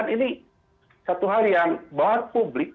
ini satu hal yang buat publik